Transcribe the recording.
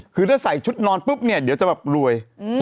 คือถ้าใส่ชุดนอนปุ๊บเนี่ยเดี๋ยวจะแบบรวย